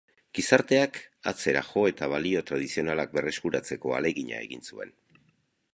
Gizarteak atzera jo eta balio tradizionalak berreskuratzeko ahalegina egin zuen.